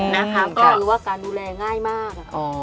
นะคะก็รู้ว่าการดูแลง่ายมาก